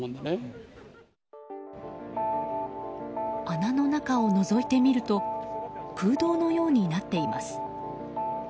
穴の中をのぞいてみると空洞のようになっています。